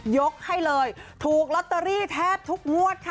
ยกให้เลยถูกลอตเตอรี่แทบทุกงวดค่ะ